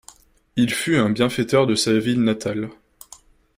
Il fut un bienfaiteur de sa ville natale.